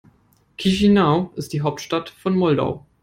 Chișinău ist die Hauptstadt von Moldau.